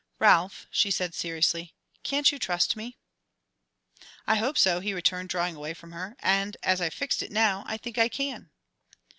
"Ralph," she said, seriously, "can't you trust me?" "I hope so," he returned, drawing away from her, "and as I've fixed it now, I think I can."